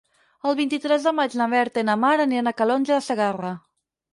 El vint-i-tres de maig na Berta i na Mar aniran a Calonge de Segarra.